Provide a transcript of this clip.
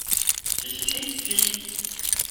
Si, si, si, si !…